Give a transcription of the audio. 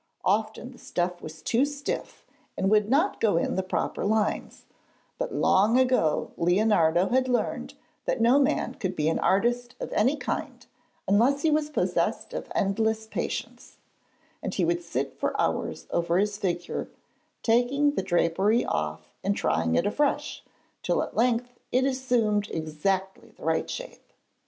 Often the stuff was too stiff and would not go in the proper lines, but long ago Leonardo had learned that no man could be an artist of any kind unless he was possessed of endless patience, and he would sit for hours over his figure, taking the drapery off and trying it afresh, till at length it assumed exactly the right shape.